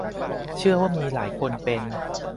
เชื่อว่ามีหลายคนเป็น